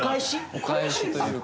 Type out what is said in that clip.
お返しというか。